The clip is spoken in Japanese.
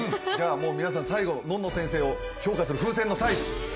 じゃあもう皆さん最後のんの先生を評価する風船のサイズ